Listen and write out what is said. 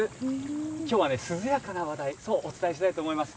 きょうは涼やかな話題をお伝えしたいと思います。